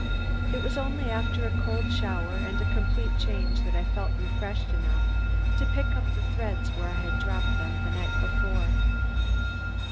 It was only after a cold shower and a complete change that I felt refreshed enough to pick up the threads where I had dropped them the night before.